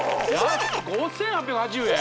安５８８０円？